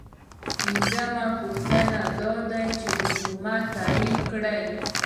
پنځمه پوښتنه دا ده چې حکومت تعریف کړئ.